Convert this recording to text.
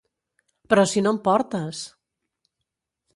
Però si no en portes!